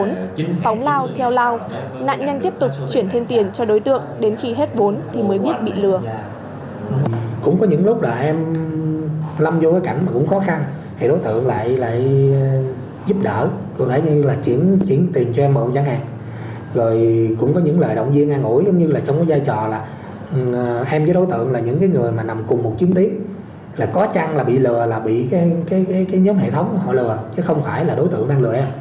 phóng lao theo lao nạn nhanh tiếp tục chuyển thêm tiền cho đối tượng đến khi hết vốn thì mới biết bị lừa